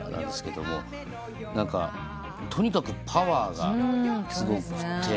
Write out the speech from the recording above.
とにかくパワーがすごくって。